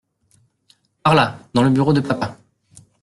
Par là ! dans le bureau de papa !